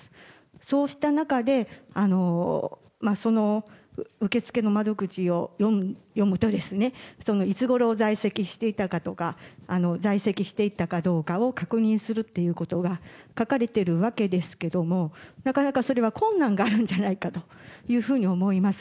そうした中で、受付の窓口を読むと、いつごろ在籍していたかとか、在籍していたかどうかを確認するっていうことが書かれてるわけですけども、なかなかそれは困難があるんじゃないかというふうに思います。